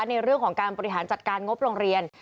ในเรื่องของการบริหารจัดการงบโรงเรียน